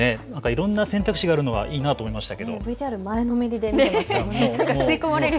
いろんな選択肢があるのはいいなと思いました。